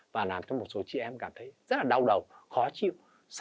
và làm cho một số chị em cảm thấy rất là đau đầu khó chịu